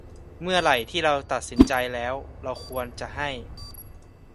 เมื่อไหร่ที่เราตัดสินใจแล้ว เราควรจะให้